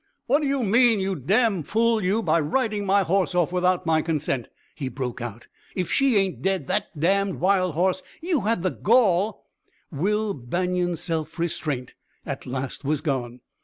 "What do you mean, you damned fool, you, by riding my horse off without my consent!" he broke out. "If she ain't dead that damned wild horse you had the gall " Will Banion's self restraint at last was gone.